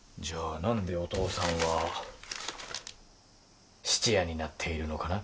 何でお父さんは質屋になっているのかな？